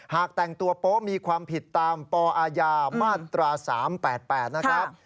แต่งตัวโป๊ะมีความผิดตามปอาญามาตรา๓๘๘นะครับ